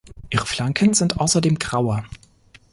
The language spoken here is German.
Ihre Flanken sind außerdem grauer.